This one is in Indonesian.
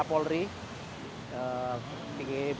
kepolda metro jaya